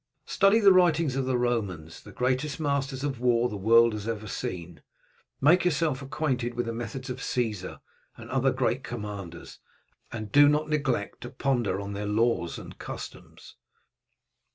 Study the writings of the Romans, the greatest masters of war the world has ever seen, make yourself acquainted with the methods of Caesar and other great commanders, and do not neglect to ponder on their laws and customs.